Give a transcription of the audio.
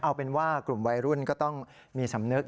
เอาเป็นว่ากลุ่มวัยรุ่นก็ต้องมีสำนึก